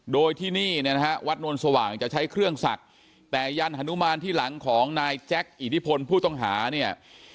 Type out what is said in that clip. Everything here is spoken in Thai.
โดยที่นี่เนี่ยนะฮะวัดนวลสว่างจะใช้เครื่องศักดิ์แต่ยันฮนุมานที่หลังของนายแจ็คอิทธิพลผู้ต้องหาเนี่ย